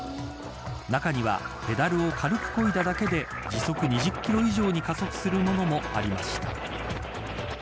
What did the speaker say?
中には、ペダルを軽くこいだだけで時速２０キロ以上に加速するものもありました。